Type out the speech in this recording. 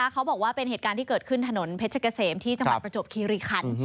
เขาบอกว่าเป็นเหตุการณ์ที่เกิดขึ้นถนนเพชรเกษมที่จังหวัดประจวบคีรีคัน